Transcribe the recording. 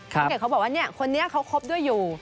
คุณเกเขาบอกว่าเนี่ยคนนี้เขาคบด้วยอยู่